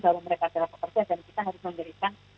bahwa mereka adalah pekerja dan kita harus memberikan